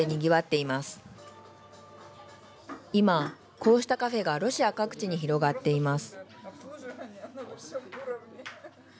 いま、こうしたカフェがロシア各地に広がっています。